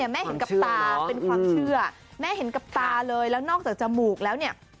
แม่เห็นกับตาเป็นความเชื่อแม่เห็นกับตาเลยแล้วนอกจากจมูกแล้วเนี่ย